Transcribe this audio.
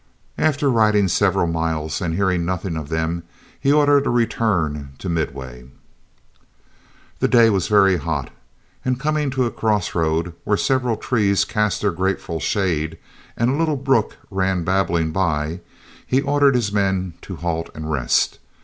After riding several miles, and hearing nothing of them, he ordered a return to Midway. The day was very hot, and coming to a cross road, where several trees cast their grateful shade and a little brook ran babbling by, he ordered his men to halt and rest.